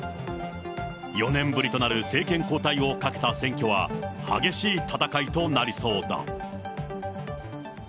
４年ぶりとなる政権交代をかけた選挙は、激しい戦いとなりそうだ。